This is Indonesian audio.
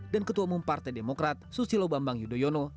dan ketua umum partai demokrat susilo bambang yudhoyono